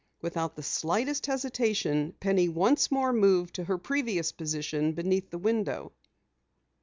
Without the slightest hesitation, Penny once more moved to her previous position beneath the window.